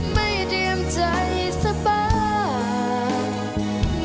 ไม่เตรียมใจสบาย